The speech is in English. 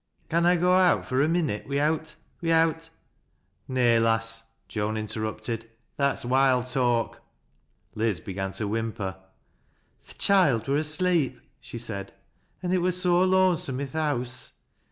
Canna I g( out fur a minnit wi'out — wi'out —" "Nay, lass," Joan interrupted, "that's wild talk." Liz began to whimper. " Th' choild wur asleep," she said, " an' it wur so lone some i' th' house.